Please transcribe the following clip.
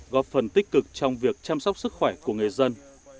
góp phần tích cực trong việc chăm sóc sức khỏe của người dân